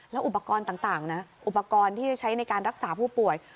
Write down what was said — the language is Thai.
แล้วอุปกรณ์ต่างนะอุปกรณ์ที่จะใช้ในการรักษาผู้ป่วย